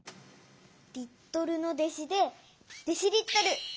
リットルの弟子でデシリットル。